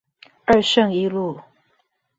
二聖一路